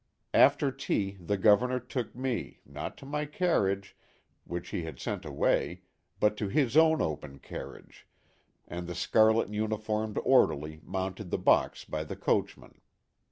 After tea the Governor took me, not to my carriage, which he had sent away, but to his own open carriage, and the scarlet uniformed orderly mounted the box by the coachman.